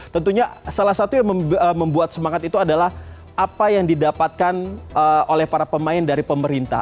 tentunya salah satu yang membuat semangat itu adalah apa yang didapatkan oleh para pemain dari pemerintah